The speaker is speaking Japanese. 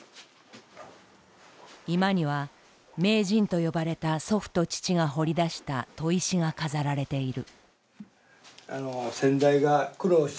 居間には名人と呼ばれた祖父と父が掘り出した砥石が飾られている。